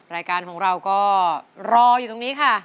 รายการของเราก็รออยู่ตรงนี้ค่ะ